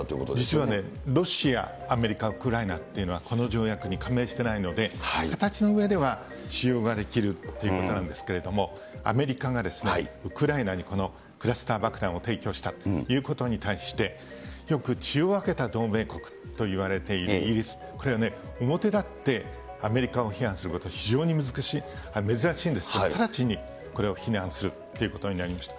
実はね、ロシア、アメリカ、ウクライナっていうのは、この条約に加盟してないので、形の上では使用ができるっていうことなんですけれども、アメリカがウクライナにこのクラスター爆弾を提供したということに対して、よく血を分けた同盟国といわれているイギリス、これは表立ってアメリカを批判すること、非常に珍しいんですけれども、直ちにこれを非難するということになりました。